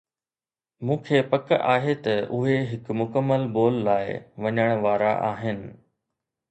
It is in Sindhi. مون کي پڪ آهي ته اهي هڪ مڪمل بول لاء وڃڻ وارا آهن